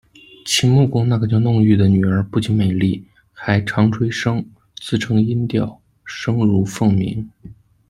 秦穆公那个叫弄玉的女儿不仅美丽，还长吹笙，自成音调，声如凤鸣。